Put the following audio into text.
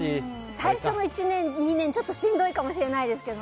最初の１年、２年はしんどいかもしれないですけど。